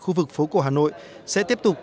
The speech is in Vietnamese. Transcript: khu vực phố cổ hà nội sẽ tiếp tục